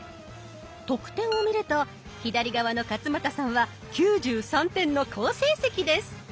得点を見ると左側の勝俣さんは９３点の好成績です。